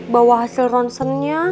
bawa hasil ronsennya